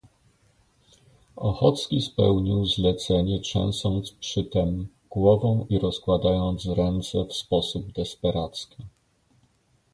"Ochocki spełnił zlecenie, trzęsąc przytem głową i rozkładając ręce w sposób desperacki."